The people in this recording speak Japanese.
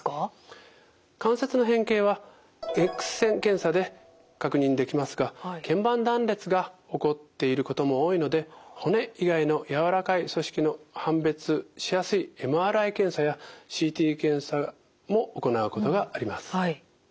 関節の変形はＸ線検査で確認できますがけん板断裂が起こっていることも多いので骨以外のやわらかい組織の判別しやすいＭＲＩ検査やＣＴ検査も行うことがあります。